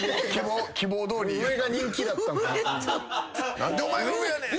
「何でお前が上やねん！」